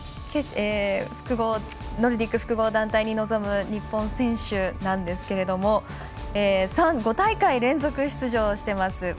ノルディック複合団体に臨む日本選手なんですけれども５大会連続出場しています